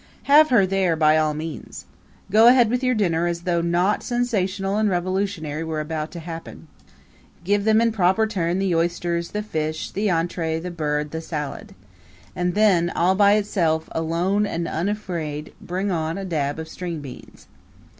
Have her there by all means. Go ahead with your dinner as though naught sensational and revolutionary were about to happen. Give them in proper turn the oysters, the fish, the entree, the bird, the salad. And then, all by itself, alone and unafraid, bring on a dab of string beans.